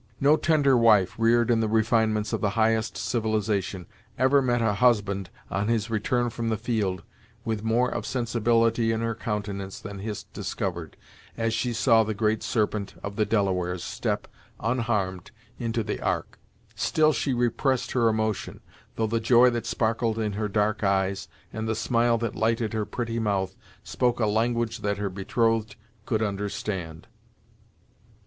No tender wife, reared in the refinements of the highest civilization, ever met a husband on his return from the field with more of sensibility in her countenance than Hist discovered, as she saw the Great Serpent of the Delawares step, unharmed, into the Ark. Still she repressed her emotion, though the joy that sparkled in her dark eyes, and the smile that lighted her pretty mouth, spoke a language that her betrothed could understand.